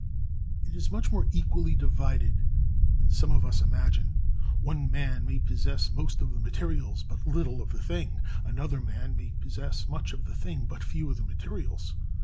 It is much more equally divided than some of us imagine. One man may possess most of the materials, but little of the thing; another may possess much of the thing, but few of the materials.